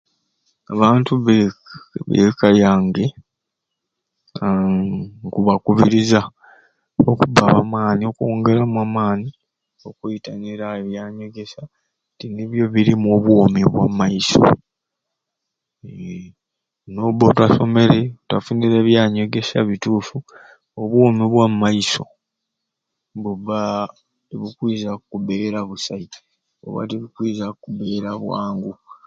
Abantu bekka abekka yange aahh nkubakubiriza okubba abamaani okwongeramu amaani okwetangiira ebyanyegesya nti nibyo birimu obwoomi bwamaiso eeh nobba otasomere otafunire ebyanyegesya bituffu obwoomi bwamumaiso bubba tibukuiza kubeera busai oba tibukwiza kubeera bwangu.